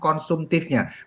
konsumtif itu adalah yang mana